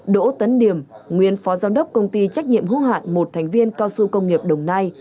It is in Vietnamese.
đỗ tấn điểm nguyên phó giám đốc công ty trách nhiệm hữu hạn một thành viên cao su công nghiệp đồng nai